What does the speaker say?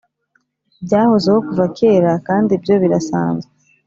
byahozeho kuva kera kandi ibyo birasanzwe